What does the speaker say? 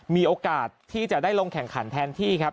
มีโอกาสที่จะได้ลงแข่งขันแทนที่ครับ